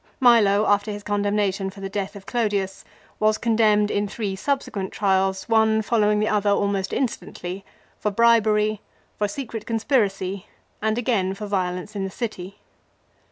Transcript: Milo after his condemnation for the death of Clodius was con demned in three subsequent trials, one following the other almost instantly, for bribery, for secret conspiracy, and again for violence in the city.